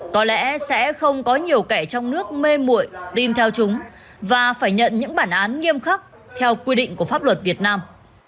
có lẽ sẽ không có nhiều kẻ trong nước mê mụi tim theo chúng và phải nhận những bản án nghiêm khắc theo quy định của pháp luật việt nam